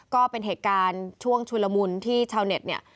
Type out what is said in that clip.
ก็เป็นเหตุการณ์ช่วงชุลมุนที่ชาวเน็ตเนี่ย